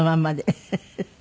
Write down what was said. フフフ！